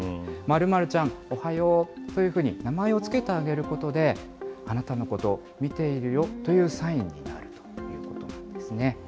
○○ちゃん、おはようというふうに、名前を付けてあげることで、あなたのことを見ているよというサインになるということなんですね。